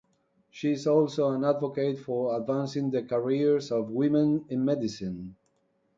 She is also an advocate for advancing the careers of women in medicine.